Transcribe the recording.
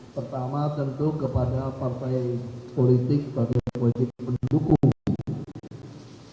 pertama tentu kepada partai politik partai politik pendukung